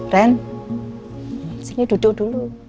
ren sini duduk dulu